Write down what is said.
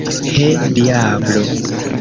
He, diablo!